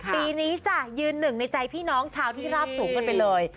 ปีนี้จ้ะยืนหนึ่งในใจพี่น้องชาวที่ราบสูงกันไปเลย